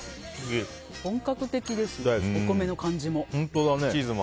本格的ですね、お米の感じも。